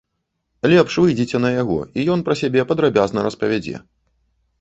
Лепш выйдзіце на яго, і ён пра сябе падрабязна распавядзе.